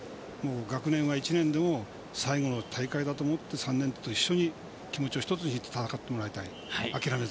学年は１年でも最後の大会だと思って３年生と一緒に気持ちを１つになって頑張ってもらいたい。